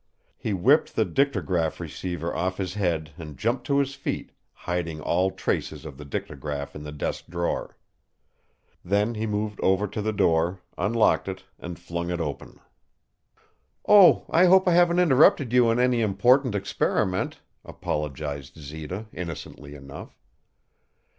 He whipped the dictagraph receiver off his head and jumped to his feet, hiding all traces of the dictagraph in the desk drawer. Then he moved over to the door, unlocked it, and flung it open. "Oh, I hope I haven't interrupted you in any important experiment," apologized Zita, innocently enough.